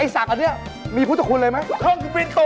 สักอันนี้มีพุทธคุณเลยไหม